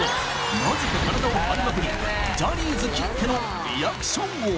なぜか体を張りまくりジャニーズきってのリアクション王